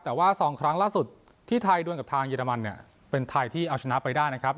แต่ว่า๒ครั้งล่าสุดที่ไทยดวนกับทางเยอรมันเนี่ยเป็นไทยที่เอาชนะไปได้นะครับ